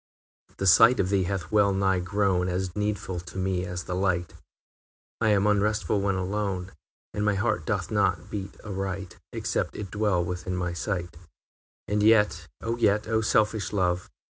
II. The sight of thee hath well nigh grown As needful to me as the light; I am unrestful when alone, And my heart doth not beat aright Except it dwell within thy sight. III. And yet and yet O selfish love!